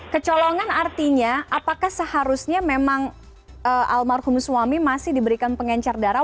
kecolongan artinya apakah seharusnya memang almarhum suami masih diberikan pengencar darah